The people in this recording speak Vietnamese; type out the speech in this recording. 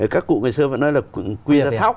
các cụ ngày xưa vẫn nói là quy ra thóc